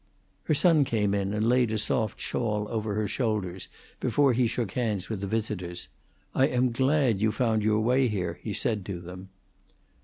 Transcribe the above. Her son came in and laid a soft shawl over her shoulders before he shook hands with the visitors. "I am glad you found your way here," he said to them.